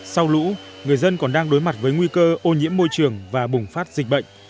sau lũ người dân còn đang đối mặt với nguy cơ ô nhiễm môi trường và bùng phát dịch bệnh